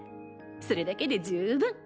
それだけで十分！